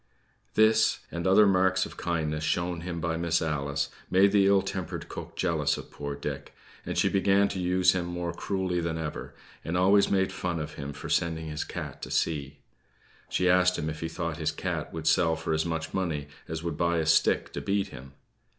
This, and other marks of kindness shown him by Miss Alice, made the ill tempered cook jealous of poor Dick; and she began to use him more cruelly than ever, and always made fun of him for sending his cat to sea. She asked him if he thought his cat would sell for as much money as would buy a stick to beat him.